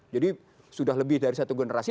jadi sudah lebih dari satu generasi